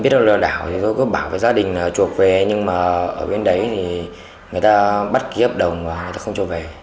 tôi có bảo với gia đình là chuộc về nhưng mà ở bên đấy thì người ta bắt ký ấp đồng và người ta không chuộc về